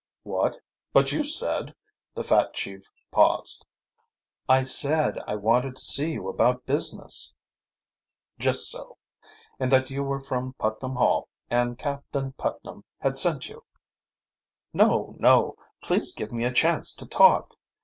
"What? But you said " The fat chief paused. "I said I wanted to see you about business." "Just so and that you were from Putnam Hall, and Captain Putnam had sent you." "No, no. Please give me a chance to talk."